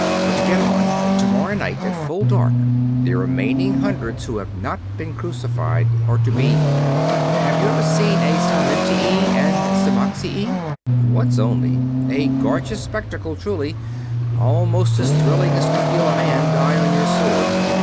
"But to get on, tomorrow night, at full dark, the remaining hundreds who have not been crucified are to be have you ever seen sarmentitii and semaxii?" "Once only. A gorgeous spectacle, truly, almost as thrilling as to feel a man die on your sword.